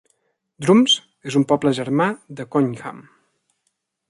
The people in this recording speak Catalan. Drums és un poble germà de Conyngham.